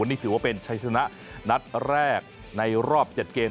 นี่ถือว่าเป็นชัยชนะนัดแรกในรอบ๗เกม